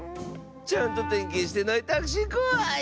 ちゃんとてんけんしてないタクシーこわいッス！